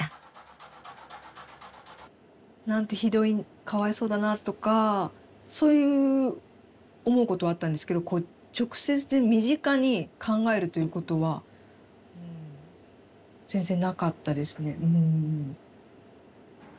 なんてひどいかわいそうだなとかそういう思うことはあったんですけどこう直接身近に考えるということはうん全然なかったですね。